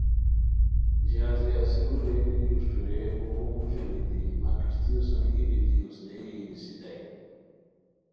جہازی اسیرو رینی اوشٹورئیے اوغو موژو دیتی مہ کشتیو سوم ای بیتی اوسنئے یی نیستائے